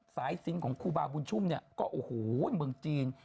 สายศิลป์ของคูบาบุญชุมก็โอ้โฮเหมือนเมืองจีน